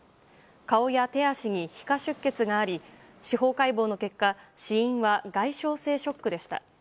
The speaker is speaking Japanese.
顔や手足に皮下出血があり司法解剖の結果死因は外傷性ショックでした。